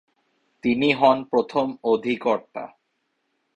তিনি হন প্রথম অধিকর্তা।